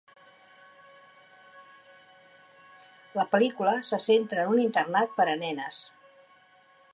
La pel·lícula se centra en un internat per a nenes.